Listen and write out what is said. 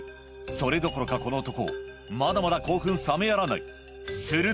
それどころかこの男まだまだ興奮冷めやらないする